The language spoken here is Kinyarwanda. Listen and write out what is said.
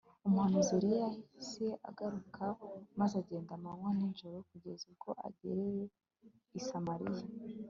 Umuhanuzi Eliya yahise ahaguruka maze agenda amanywa nijoro kugeza ubwo agereye i Samariya